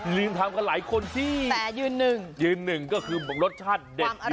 ลืมทำกันหลายคนสิยืนหนึ่งยืนหนึ่งก็คือรสชาติเด็ด